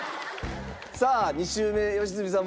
さあ２周目良純さん